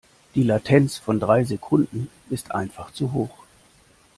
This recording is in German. Die Latenz von drei Sekunden ist einfach zu hoch.